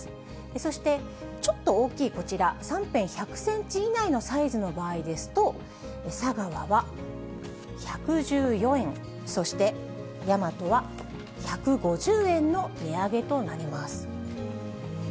そしてちょっと大きいこちら、３辺１００センチ以内のサイズの場合ですと、佐川は１１４円、そしてヤマトは１５０円の値上げとなります。